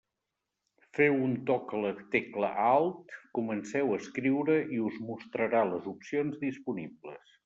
Feu un toc a la tecla Alt, comenceu a escriure i us mostrarà les opcions disponibles.